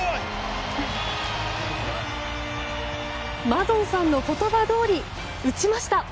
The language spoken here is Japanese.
マドンさんの言葉どおり打ちました！